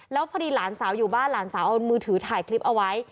แล้วพอดีหลานสาวอยู่บ้านหลานสาวเอามือถือถ่ายคลิปเอาไว้